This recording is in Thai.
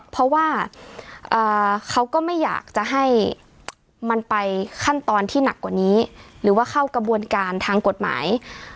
เพราะว่าเขาก็ไม่อยากจะให้มันไปขั้นตอนที่หนักกว่านี้หรือว่าเข้ากระบวนการทางกฎหมาย